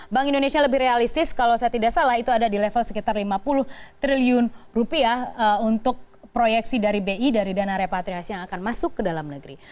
bank indonesia lebih realistis kalau saya tidak salah itu ada di level sekitar lima puluh triliun rupiah untuk proyeksi dari bi dari dana repatriasi yang akan masuk ke dalam negeri